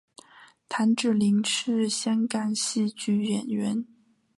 谭芷翎是香港戏剧演员。